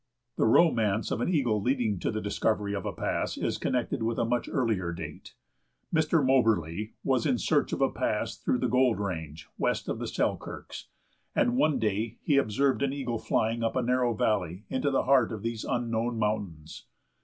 The romance of an eagle leading to the discovery of a pass is connected with a much earlier date. Mr. Moberly was in search of a pass through the Gold Range west of the Selkirks, and one day he observed an eagle flying up a narrow valley into the heart of these unknown mountains.